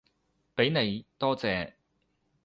畀你，多謝